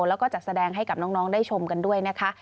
แล้วก็จัดแสดงให้กับน้องได้ชมกันด้วยนะคะ